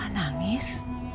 kok kamu malah nangis